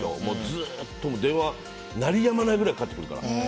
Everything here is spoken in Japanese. ずーっと、電話が鳴りやまないくらいかかってくるから。